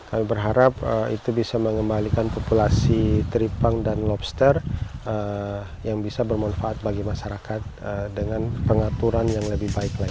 kami berharap itu bisa mengembalikan populasi tripang dan lobster yang bisa bermanfaat bagi masyarakat dengan pengaturan yang lebih baik lagi